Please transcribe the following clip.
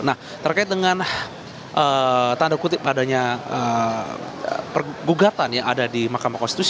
nah terkait dengan tanda kutip adanya pergugatan yang ada di mahkamah konstitusi